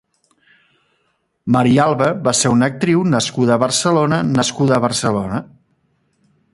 Maria Alba va ser una actriu nascuda a Barcelona nascuda a Barcelona.